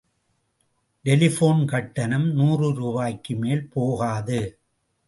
Telephone கட்டணம் நூறு ரூபாய்க்கு மேல் போகாது.